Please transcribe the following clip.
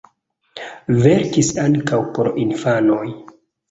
Verkis ankaŭ por infanoj.